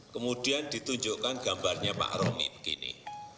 kemudian ditunjukkan gambarnya pak romi begini